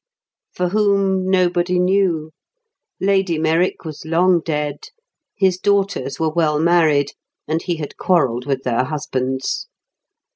For whom, nobody knew. Lady Merrick was long dead. His daughters were well married, and he had quarrelled with their husbands.